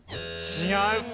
違う。